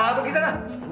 apa kisah kan